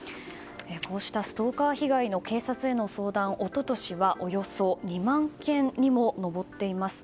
こうしたストーカー被害の警察への相談は一昨年はおよそ２万件にも上っています。